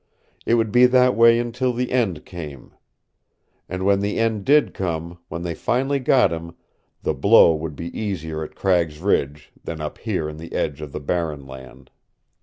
It would be that way until the end came. And when the end did come, when they finally got him, the blow would be easier at Cragg's Ridge than up here on the edge of the Barren Land.